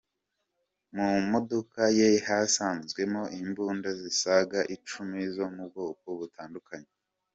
Mu modoka ye hasanzwemo imbunda zisaga icumi zo mu bwoko butandukanye.